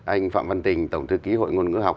anh phạm văn tình tổng thư ký hội ngôn ngữ học